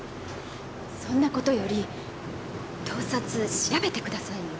そんな事より盗撮調べてくださいよ。